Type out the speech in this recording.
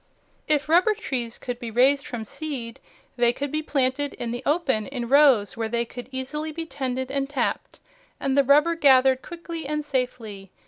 "If rubber trees could be raised from seed, they could be planted in the open in rows where they could easily be tended and tapped, and the rubber gathered quickly and safely.